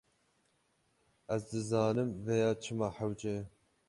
Ez dizanim vêya çima hewce ye.